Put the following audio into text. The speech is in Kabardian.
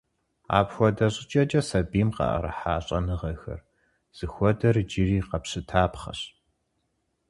Апхуэдэ щӀыкӀэкӀэ сабийм къыӀэрыхьа щӀэныгъэхэр зыхуэдэр иджыри къэпщытапхъэщ.